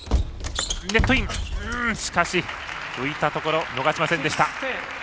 浮いたところ逃しませんでした。